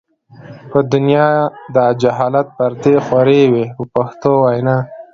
په دنیا د جهالت پردې خورې وې په پښتو وینا.